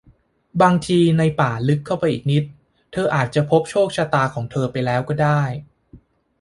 บางที ในป่าลึกเข้าไปอีกนิด เธออาจจะพบโชคชะตาของเธอไปแล้วก็ได้